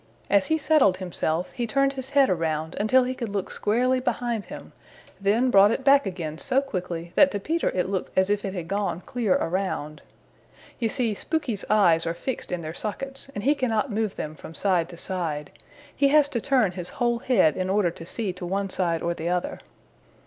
As he settled himself he turned his head around until he could look squarely behind him, then brought it back again so quickly that to Peter it looked as if it had gone clear around. You see Spooky's eyes are fixed in their sockets and he cannot move them from side to side. He has to turn his whole head in order to see to one side or the other.